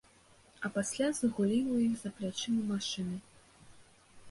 А пасля загулі ў іх за плячыма машыны.